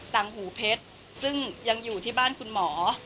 ังหูเพชรซึ่งยังอยู่ที่บ้านคุณหมอ